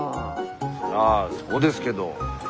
そりゃあそうですけど。